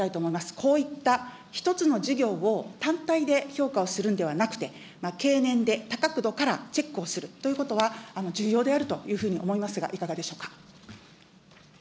こういった一つの事業を単体で評価をするんではなくて、経年で、多角度からチェックをするということは、重要であるというふうに思いますが、いかがでしょうか。